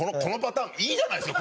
いいじゃないですか